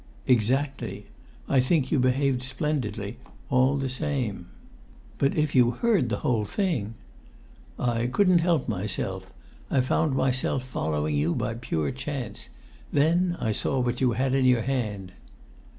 "Exactly. I think you behaved splendidly, all the same." "But if you heard the whole thing " "I couldn't help myself. I found myself following you by pure chance. Then I saw what you had in your hand."